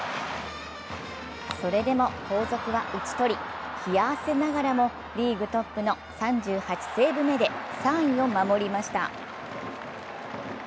それでも後続は打ち取り冷や汗ながらも、リーグトップの３８セーブ目で３位を守りました。